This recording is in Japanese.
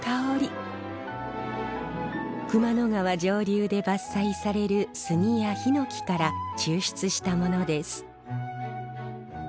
熊野川上流で伐採される杉やひのきから抽出したものです。